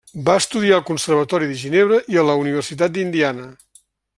Va estudiar al Conservatori de Ginebra i a la Universitat d'Indiana.